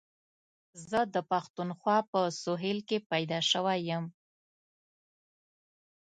زه د پښتونخوا په سهېل کي پيدا شوی یم.